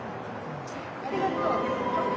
ありがとう。